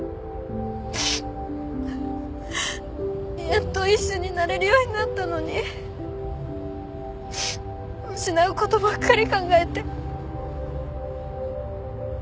やっと一緒にいられるようになったのに失うことばっかり考えて。